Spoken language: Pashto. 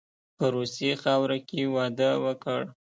په روسي خاوره کې واده وکړ.